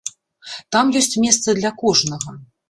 Там ёсць месца для кожнага.